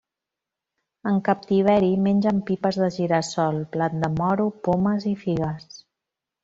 En captiveri mengen pipes de gira-sol, blat de moro, pomes i figues.